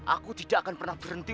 aku tidak akan pernah berhenti